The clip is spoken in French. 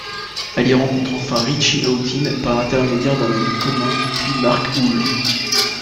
Elle y rencontre enfin Richie Hawtin par l'intermédiaire d'un ami commun, puis Marc Houle.